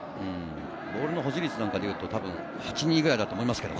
ボールの保持率で言うと８対２ぐらいだと思います。